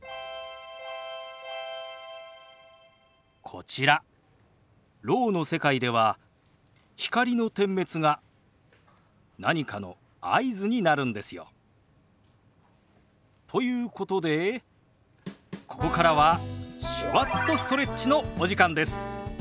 こちらろうの世界では光の点滅が何かの合図になるんですよ。ということでここからは「手話っとストレッチ」のお時間です。